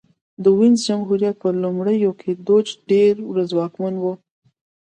د وینز جمهوریت په لومړیو کې دوج ډېر ځواکمن و